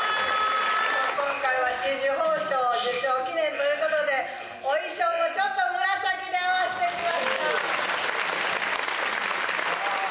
今回は紫綬褒章受章記念ということでお衣装もちょっと紫で合わせてみました。